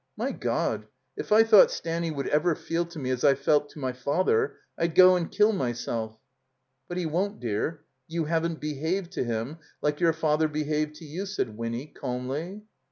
My God! If I thought Stanny would ever feel to me as I felt to my father, I'd go and kill myself." •'But he won't, dear. You haven't behaved to him like your father behaved to you," said Winny, calmly.